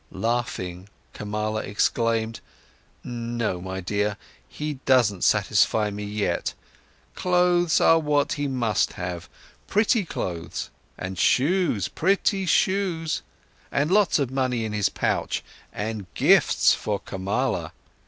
Laughing, Kamala exclaimed: "No, my dear, he doesn't satisfy me yet. Clothes are what he must have, pretty clothes, and shoes, pretty shoes, and lots of money in his pouch, and gifts for Kamala.